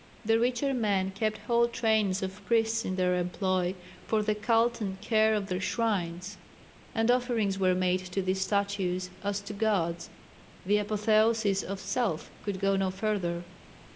The richer men kept whole trains of priests in their employ for the cult and care of their shrines, and offerings were made to these statues as to gods. The apotheosis of self could go no further.